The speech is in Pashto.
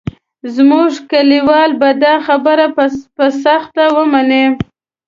زموږ کلیوال به دا خبره په سخته ومني.